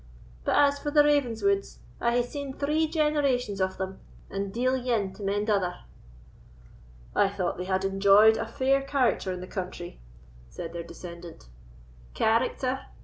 But as for the Ravenswoods, I hae seen three generations of them, and deil ane to mend other." "I thought they had enjoyed a fair character in the country," said their descendant. "Character!